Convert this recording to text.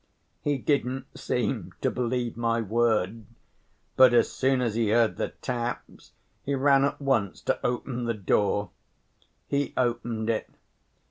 He didn't seem to believe my word, but as soon as he heard the taps, he ran at once to open the door. He opened it.